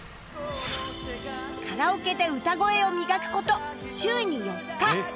カラオケで歌声を磨く事週に４日